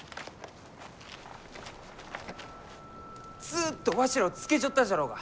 ずっとわしらをつけちょったじゃろうが！